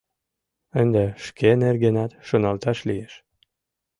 Ынде шке нергенат шоналташ лиеш.